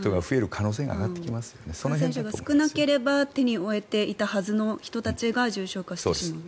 感染者が少なければ手に負えていたはずの人たちが重症化する。